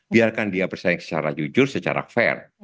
biarkan dia bersaing secara jujur secara fair